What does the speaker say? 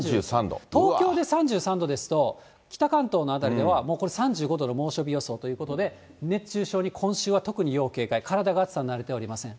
東京で３３度ですと、北関東の辺りでは、もうこれ、３５度の猛暑日予想ということで、熱中症に今週は特に要警戒、体が暑さに慣れておりません。